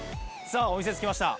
お店着きました。